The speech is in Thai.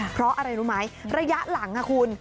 เพราะอะไรรู้ไหมระยะหลังคุณ